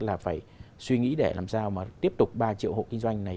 là phải suy nghĩ để làm sao mà tiếp tục ba triệu hộ kinh doanh này